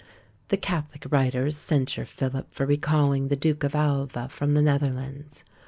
The catholic writers censure Philip for recalling the Duke of Alva from the Netherlands.